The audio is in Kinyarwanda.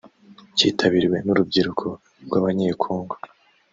cyitabiriwe n’urubyiruko rw’abanyekongo